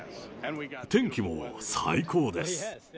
天気も最高です。